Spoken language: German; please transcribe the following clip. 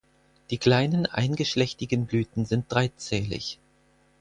Die kleinen, eingeschlechtigen Blüten sind dreizählig.